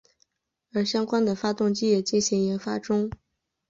而相关的发动机也进行研发中。